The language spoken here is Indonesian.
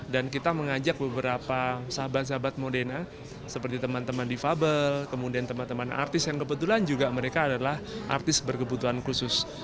dan kita mengajak beberapa sahabat sahabat modena seperti teman teman difabel kemudian teman teman artis yang kebetulan juga mereka adalah artis berkebutuhan khusus